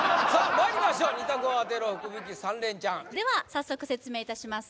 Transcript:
まいりましょう２択を当てろ福引き３連チャンでは早速説明いたします